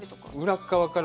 裏側から。